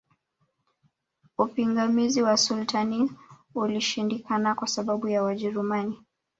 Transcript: Upingamizi wa Sultani ulishindikana kwa sababu ya Wajerumani